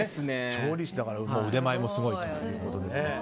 調理師だから腕前もすごいということです。